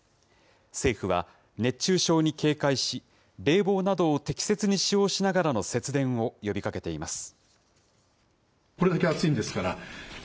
政府は熱中症に警戒し、冷房などを適切に使用しながらの節電を呼びかけています。